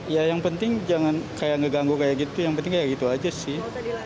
ya yang penting jangan kayak ngeganggu kayak gitu yang penting ya gitu aja sih